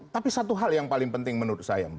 tapi satu hal yang paling penting menurut saya